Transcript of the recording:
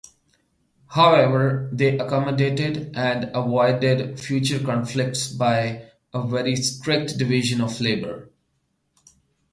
However, they accommodated and avoided future conflicts by a very strict division of labour.